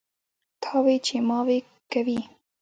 تاوې چې ماوې کوي.